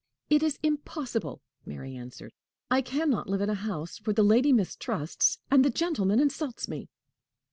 "It is impossible," Mary answered. "I can not live in a house where the lady mistrusts and the gentleman insults me."